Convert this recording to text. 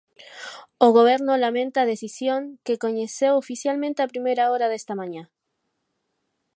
O Goberno lamenta a decisión, que coñeceu oficialmente á primeira hora desta mañá.